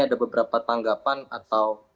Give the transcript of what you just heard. ada beberapa tanggapan atau